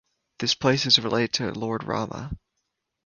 This place is related to Lord Rama.